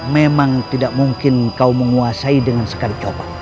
memang tidak mungkin kau menguasai dengan sekali coba